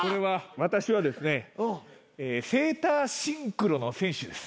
私はですねセーターシンクロの選手です。